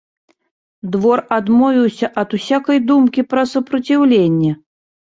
Двор адмовіўся ад усякай думкі пра супраціўленне.